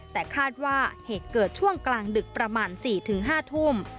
แต่คาดว่าเหตุเกิดช่วงกลางดึกประมาณ๔๕ทุ่ม